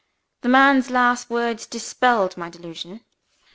The man's last words dispelled my delusion.